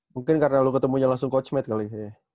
mungkin karena lu ketemunya langsung coach matt kali ya